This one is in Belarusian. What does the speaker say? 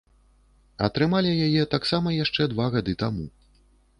Атрымалі яе таксама яшчэ два гады таму.